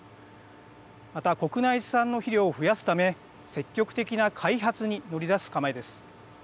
また国内産の肥料を増やすため積極的な開発に乗り出す構えです。